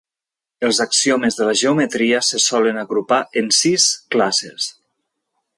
Els axiomes de la geometria se solen agrupar en sis classes.